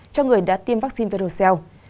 cho người đã tiêm vaccine virocell